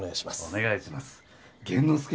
お願いします。